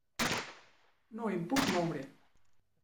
No em puc moure.